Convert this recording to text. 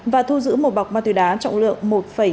và thu giữ một bọc ma túy đá trọng lượng một chín mươi bảy quang